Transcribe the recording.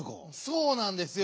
そうなんですよ。